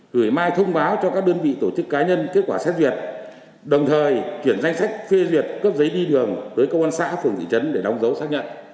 gửi mai thông báo cho các đơn vị tổ chức cá nhân kết quả xét duyệt đồng thời chuyển danh sách phê duyệt cấp giấy đi đường tới công an xã phường thị trấn để đóng dấu xác nhận